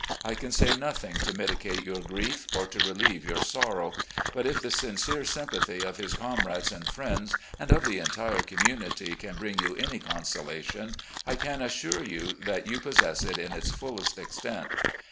I can say nothing to mitigate your grief or to relieve your sorrow; but if the sincere sympathy of his comrades and friends and of the entire community can bring you any consolation, I can assure you that you possess it in its fullest extent.